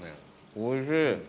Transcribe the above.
おいしい。